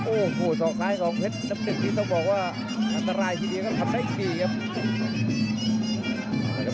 โอ้โหสอกซ้ายของเพชรน้ำหนึ่งนี่ต้องบอกว่าอันตรายทีเดียวครับทำได้ดีครับ